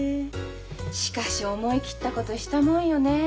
しかし思い切ったことしたもんよね。